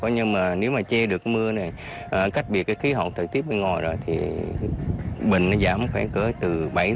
nếu mà che được mưa này cách biệt khí hậu thời tiết mới ngồi rồi thì bệnh giảm khoảng từ bảy tám mươi